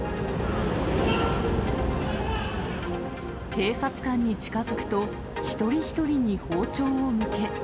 警察官に近づくと、一人一人に包丁を向け。